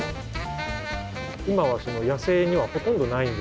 今は野生にはほとんどないんです。